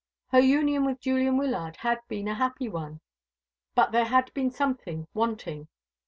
Her union with Julian Wyllard had been a happy one, but there had been something wanting.